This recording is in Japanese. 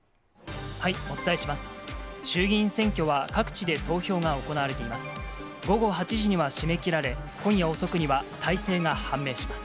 お伝えします。